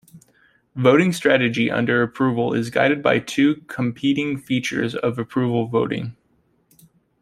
Voting strategy under approval is guided by two competing features of approval voting.